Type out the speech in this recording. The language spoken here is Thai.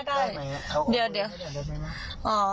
ได้ไหมนะเดี๋ยว